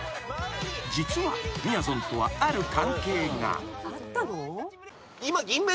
［実はみやぞんとはある関係が］